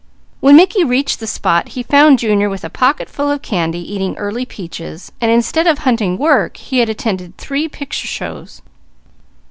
When Mickey reached the spot he found Junior with a pocket full of candy, eating early peaches, and instead of hunting work, he had attended three picture shows.